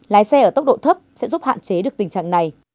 lái xe ở tốc độ thấp sẽ giúp hạn chế được tình trạng này